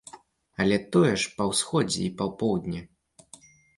Але тое ж па ўсходзе і па поўдні.